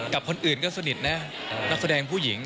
กับคนอื่นก็สนิทนะนักแสดงผู้หญิง